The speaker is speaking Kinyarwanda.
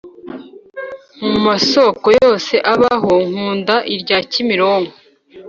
Mumasoko yose abaho nkunda irya kimironko